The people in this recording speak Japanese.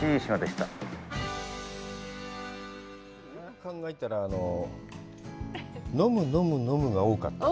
考えたら飲む飲む飲むが多かったね。